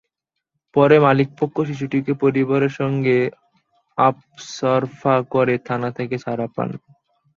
পরে মালিকপক্ষ শিশুটির পরিবারের সঙ্গে আপসরফা করে থানা থেকে ছাড়া পান।